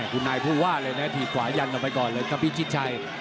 คุณนายผู้ว่าเลยนะถีบขวายันออกไปก่อนเลยครับพิชิตชัย